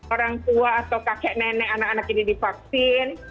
orang tua atau kakek nenek anak anak ini divaksin